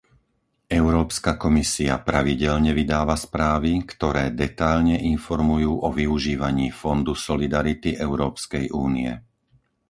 Európska komisia pravidelne vydáva správy, ktoré detailne informujú o využívaní fondu solidarity Európskej únie.